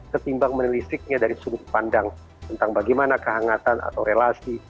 ketimbang menelisiknya dari sudut pandang tentang bagaimana kehangatan atau relasi